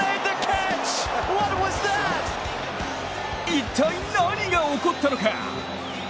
一体何が起こったのか？